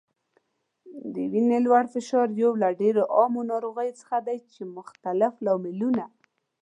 د وینې لوړ فشار یو له ډیرو عامو ناروغیو څخه دی چې مختلف لاملونه